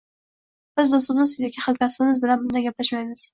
Biz do‘stimiz yoki hamkasbimiz bilan bunday gaplashmaymiz.